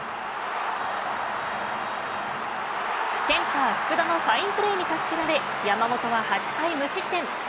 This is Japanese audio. センター福田のファインプレーに助けられ山本は８回無失点。